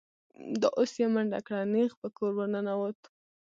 دا اوس یې منډه کړه، نېغ په کور ور ننوت.